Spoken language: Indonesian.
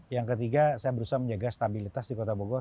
yang ketiga saya berusaha menjaga stabilitas di kota bogor